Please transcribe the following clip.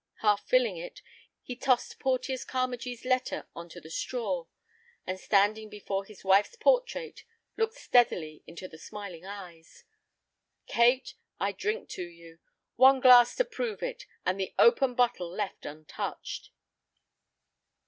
Half filling it, he tossed Porteus Carmagee's letter on to the straw, and standing before his wife's portrait, looked steadily into the smiling eyes. "Kate, I drink to you. One glass to prove it, and the open bottle left untouched."